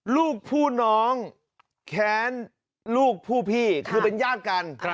ลูกผู้น้องแค้นลูกผู้พี่คือเป็นญาติกัน